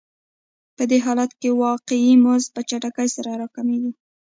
په دې حالت کې واقعي مزد په چټکۍ سره راکمېږي